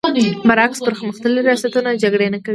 برعکس پر مختللي ریاستونه جګړې نه کوي.